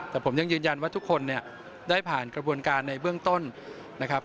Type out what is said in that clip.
แต่ผมยังยืนยันว่าทุกคนเนี่ยได้ผ่านกระบวนการในเบื้องต้นนะครับ